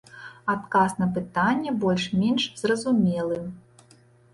Адказ на пытанне больш-менш зразумелы.